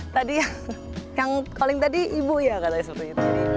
tadi yang calling tadi ibu ya kalau seperti itu